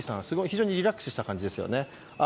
非常にリラックスした感じですよね。